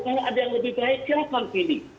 kalau ada yang lebih baik silahkan pilih